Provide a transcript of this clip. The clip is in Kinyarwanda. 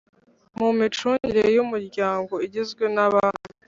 mu micungire y Umuryango Igizwe n abami